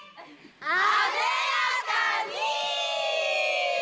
艶やかに！